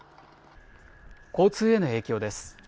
交通への影響です。